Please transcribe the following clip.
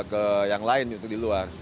ke yang lain untuk di luar